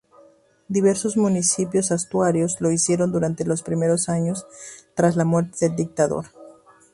Diversos municipios asturianos lo hicieron durante los primeros años tras la muerte del dictador.